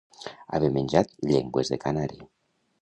Haver menjat llengües de canari.